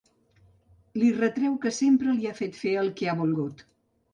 Li retreu que sempre li ha fet fer el que ha volgut.